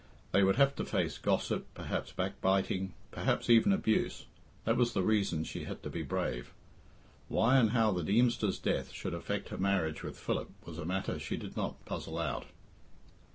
They would have to face gossip, perhaps backbiting, perhaps even abuse that was the reason she had to be brave. Why and how the Deemster's death should affect her marriage with Philip was a matter she did not puzzle out.